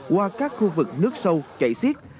qua các khu vực nước sâu chảy xiết